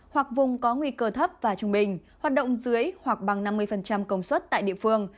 hoặc vùng có nguy cơ thấp và trung bình hoạt động dưới hoặc bằng năm mươi công suất tại địa phương